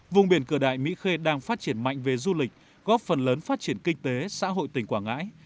vùng biển cửa đại mỹ khê đang phát triển mạnh về du lịch góp phần lớn phát triển kinh tế xã hội tỉnh quảng ngãi